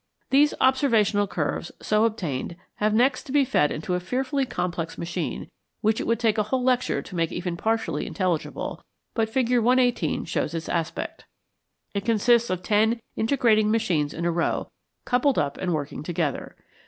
These observational curves so obtained have next to be fed into a fearfully complex machine, which it would take a whole lecture to make even partially intelligible, but Fig. 118 shows its aspect. It consists of ten integrating machines in a row, coupled up and working together.